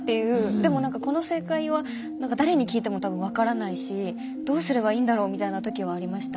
でもこの正解は誰に聞いても多分わからないしどうすればいいんだろうみたいな時はありました。